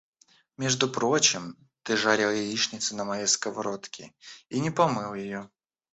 Между прочим, ты жарил яичницу на моей сковороде и не помыл ее.